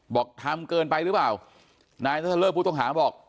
บอกทำเกินไปหรือเปล่านายนัทเลิศผู้ต้องหาบอก